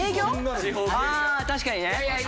ああ確かにね。